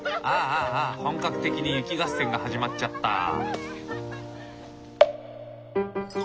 あああ本格的に雪合戦が始まっちゃった。